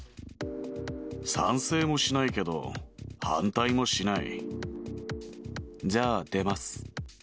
賛成もしないけど、反対もしじゃあ出ます。